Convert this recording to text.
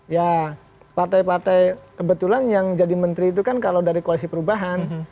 ya partai partai kebetulan yang jadi menteri itu kan kalau dari koalisi perubahan